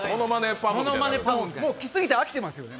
もう来すぎて飽きていますよね。